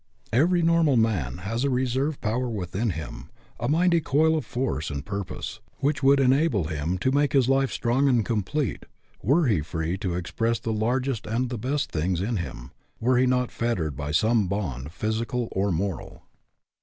Every normal man has a reserve power within him, a mighty coil of force and pur pose, which would enable him to make his life strong and complete, were he free to ex press the largest and the best things in him, FREEDOM AT ANY COST 45 were he not fettered by some bond, physical or moral.